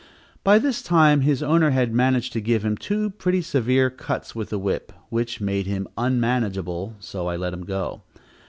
By this time his owner had managed to give him two pretty severe cuts with the whip, which made him unmanageable, so I let him go.